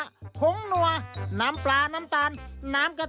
สีสันข่าวชาวไทยรัฐมาแล้วครับ